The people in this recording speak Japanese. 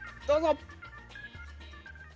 どうぞ。